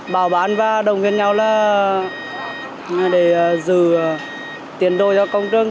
bảo bán và đồng nghiên nhau là để giữ tiền đôi cho công trình